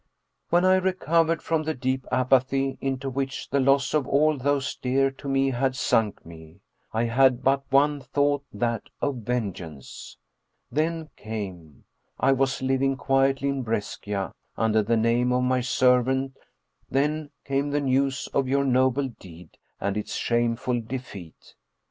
When I recovered from the deep apathy into which the loss of all those dear to me had sunk me, I had but one thought, that of vengeance. Then came I was living quietly in Brescia under the name of my servant then came the news of your noble deed and its shameful defeat.